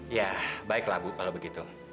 ya baiklah bu kalau begitu